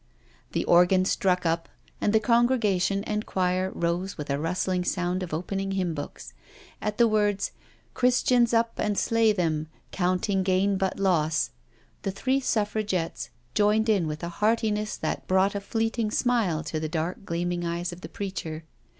The organ struck up, and the congregation and choir rose with a rustling sound of opening hymn books. At the words " Christians up and slay them. Counting gain but loss,*' the three Suffragettes joined in with a heartiness that brought a fleeting smile to the dark, gleaming eyes of the preacher.